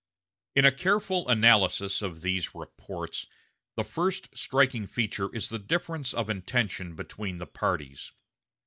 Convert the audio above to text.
In a careful analysis of these reports, the first striking feature is the difference of intention between the parties.